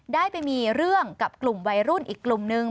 ได้ไปมีเรื่องกับกลุ่มวัยรุ่นอีกกลุ่มนึง